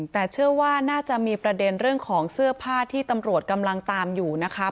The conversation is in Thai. แต่เชื่อว่าน่าจะมีประเด็นเรื่องของเสื้อผ้าที่ตำรวจกำลังตามอยู่นะคะ